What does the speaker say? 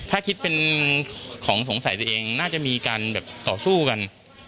ถ้าคิดเป็นของสงสัยตัวเองน่าจะมีการแบบต่อสู้กัน